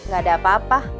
gak ada apa apa